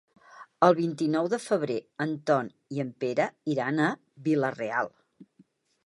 El vint-i-nou de febrer en Ton i en Pere iran a Vila-real.